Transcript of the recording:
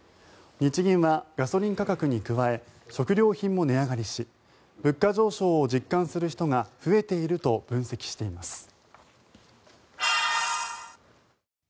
日銀はガソリン価格に加え食料品も値上がりし物価上昇を実感する人が増えていると分析しています。